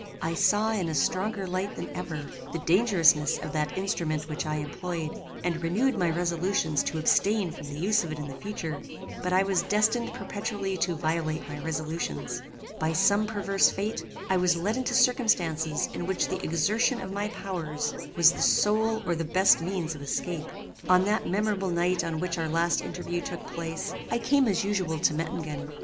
"I saw in a stronger light than ever, the dangerousness of that instrument which I employed, and renewed my resolutions to abstain from the use of it in future; but I was destined perpetually to violate my resolutions. By some perverse fate, I was led into circumstances in which the exertion of my powers was the sole or the best means of escape. "On that memorable night on which our last interview took place, I came as usual to Mettingen.